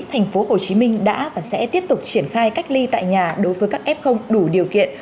tp hcm đã và sẽ tiếp tục triển khai cách ly tại nhà đối với các f đủ điều kiện